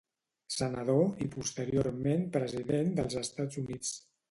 Senador i posteriorment president dels Estats Units.